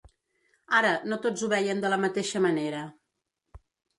Ara, no tots ho veien de la mateixa manera.